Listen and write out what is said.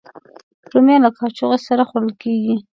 رومیان له کاچوغې سره خوړل کېږي